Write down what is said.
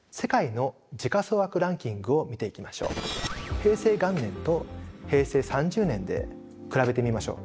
平成元年と平成３０年で比べてみましょう。